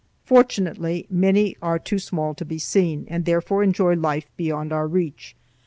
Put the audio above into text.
Fortunately many are too small to be seen, and therefore enjoy life beyond our reach.